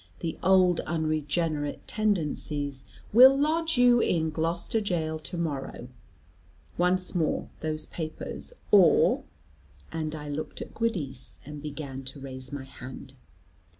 The old unregenerate tendencies " "Will lodge you in Gloucester jail to morrow. Once more those papers or " and I looked at Giudice and began to raise my hand.